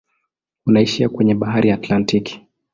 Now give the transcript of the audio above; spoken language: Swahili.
Unaishia kwenye bahari ya Atlantiki.